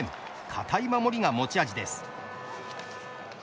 堅い守りが持ち味です。